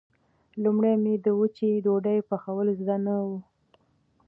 لومړی مې د وچې ډوډۍ پخول زده نه و.